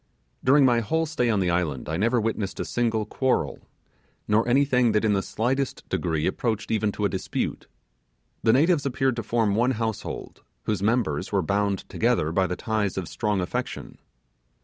During my whole stay on the island I never witnessed a single quarrel, nor anything that in the slightest degree approached even to a dispute. The natives appeared to form one household, whose members were bound together by the ties of strong affection.